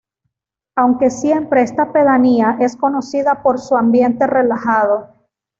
Aunque siempre esta pedanía es conocida por su "Ambiente relajado".